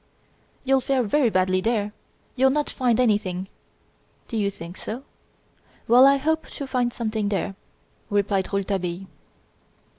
"You'll fare very badly there; you'll not find anything " "Do you think so? Well, I hope to find something there," replied Rouletabille.